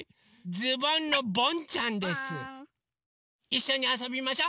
いっしょにあそびましょ。